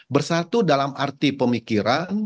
bersatu dalam arti pemikiran